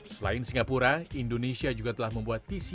selain singapura indonesia juga memiliki perjalanan untuk kegiatan bisnis